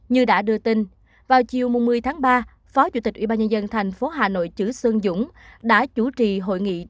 như đã đưa tin vào chiều một mươi tháng ba phó chủ tịch ubnd tp hà nội chử xuân dũng đã chủ trì hội nghị